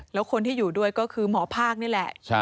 แล้วคนที่อยู่ด้วยก็คือหมอภาคนี่แหละ